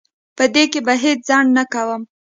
په دې کې به هیڅ ځنډ نه کوم.